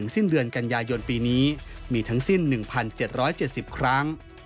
สิ้นเดือนกันยายนปีนี้มีทั้งสิ้น๑๗๗๐ครั้ง